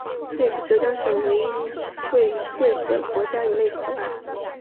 这也是浙江省唯一位于县级的国家一类口岸。